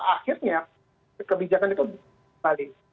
akhirnya kebijakan itu balik